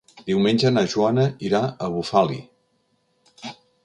Diumenge na Joana irà a Bufali.